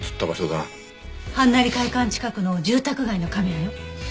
はんなり会館近くの住宅街のカメラよ。